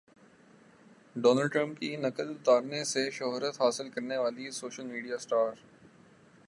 Donald Trump کی نقل اتارنے سے شہرت حاصل کرنے والی سوشل میڈیا اسٹار